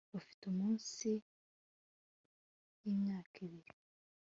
bafite munsi y'imyaka ibiri